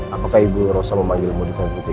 apakah ibu rosa memanggil modista butik